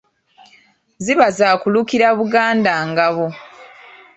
Ziba za kulukira Buganda ngabo.